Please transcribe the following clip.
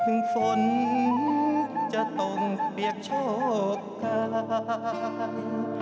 ถึงฝนจะต้องเปียกโชคกาย